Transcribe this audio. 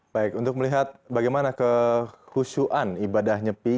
baik untuk melihat bagaimana kehusuan ibadah nyepi